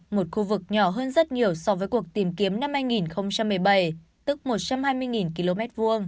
một khu vực nhỏ hơn rất nhiều so với cuộc tìm kiếm năm hai nghìn một mươi bảy tức một trăm hai mươi km hai